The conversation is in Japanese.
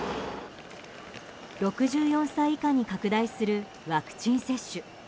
６４歳以下に拡大するワクチン接種。